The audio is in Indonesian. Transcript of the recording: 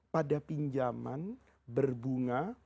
pada pinjaman berbunga